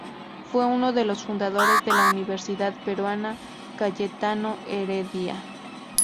Fue uno de los fundadores de la Universidad Peruana Cayetano Heredia.